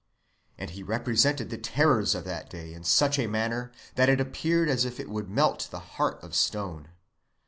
And he represented the terrors of that day in such a manner that it appeared as if it would melt the heart of stone.